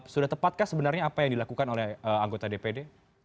sudah tepatkah sebenarnya apa yang dilakukan oleh anggota dpd